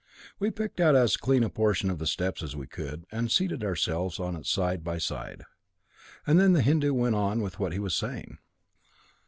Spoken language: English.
We picked out as clean a portion of the steps as we could, and seated ourselves on it side by side, and then the Hindu went on with what he was saying."